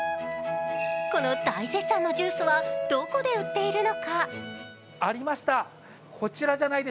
この大絶賛のジュースはどこで売っているのか？